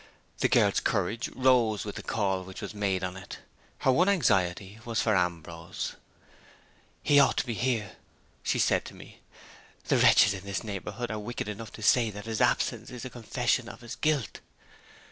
The girl's courage rose with the call which was made on it. Her one anxiety was for Ambrose. "He ought to be here," she said to me. "The wretches in this neighborhood are wicked enough to say that his absence is a confession of his guilt."